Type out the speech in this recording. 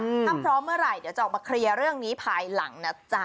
ถ้าพร้อมเมื่อไหร่เดี๋ยวจะออกมาเคลียร์เรื่องนี้ภายหลังนะจ๊ะ